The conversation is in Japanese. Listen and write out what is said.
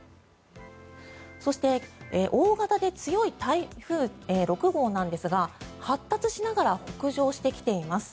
そして大型で強い台風６号なんですが発達しながら北上してきています。